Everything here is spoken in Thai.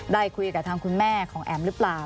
ได้คุยกับทางคุณแม่ของแอ๋มหรือเปล่า